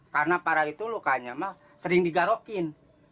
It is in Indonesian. karena parah itu lukanya sering digarokin